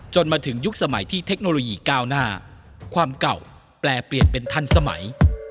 มาถึงยุคสมัยที่เทคโนโลยีก้าวหน้าความเก่าแปลเปลี่ยนเป็นทันสมัย